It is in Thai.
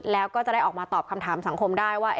แล้วก็จะได้ออกมาตอบคำถามสังคมได้ว่า